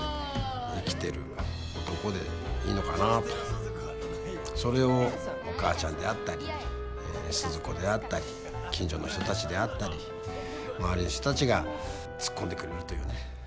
本当に何かそれをお母ちゃんであったり鈴子であったり近所の人たちであったり周りの人たちがツッコんでくれるというね。